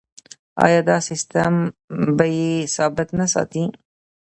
آیا دا سیستم بیې ثابت نه ساتي؟